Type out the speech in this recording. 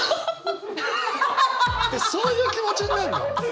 そういう気持ちになるの？